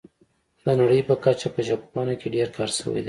د نړۍ په کچه په ژبپوهنه کې ډیر کار شوی دی